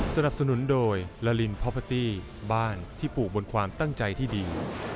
สนับสนุนโดยลาลินพอพาตี้บ้านที่ปลูกบนความตั้งใจที่ดี